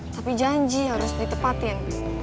tapi janji harus ditepatin